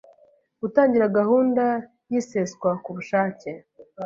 gutangira gahunda y iseswa ku bushake